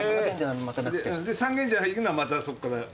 三軒茶屋行くのはまたそっからこっちと。